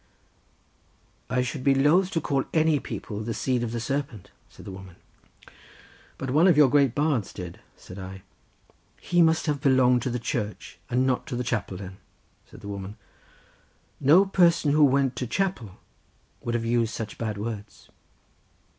"I should be loth to call any people the seed of the serpent," said the woman. "But one of your great bards did," said I. "He must have belonged to the Church, and not to the chapel then," said the woman. "No person who went to chapel would have used such bad words."